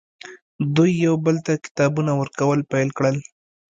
دوی یو بل ته کتابونه ورکول پیل کړل